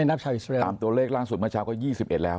นับชาวอิสระตัวเลขล่างสุดเมื่อเช้าก็ยี่สิบเอ็ดแล้ว